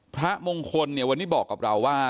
พระมงคลเนี่ยวันนี้บอกกับเราว่า